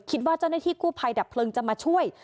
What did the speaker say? คิดว่าเจ้าหน้าที่กู้ภัยดับเพลิงจะมาช่วย